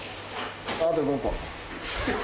あと５個。